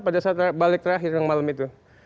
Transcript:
pada saat balik terakhir yang malam itu